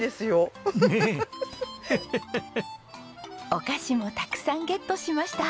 お菓子もたくさんゲットしました。